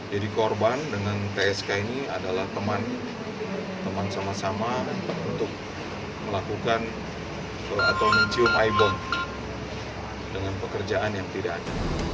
jadi korban dengan tsk ini adalah teman teman sama sama untuk melakukan atau mencium i board dengan pekerjaan yang tidak ada